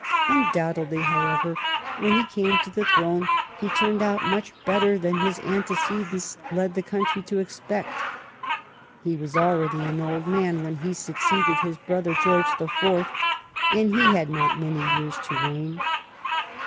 Undoubtedly, however, when he came to the throne he turned out much better than his antecedents led the country to expect. He was already an old man when he succeeded his brother George IV., and he had not many years to reign.